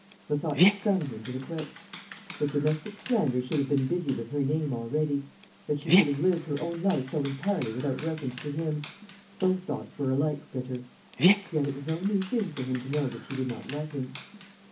The thought stung him to the quick. That domestic slander should have been busy with her name already; that she should have lived her own life so entirely without reference to him! Both thoughts were alike bitter. Yet it was no new thing for him to know that she did not love him.